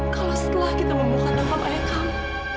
kalau setelah kita membongkar makam ayah kamu